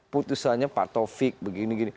putusannya pak taufik begini gini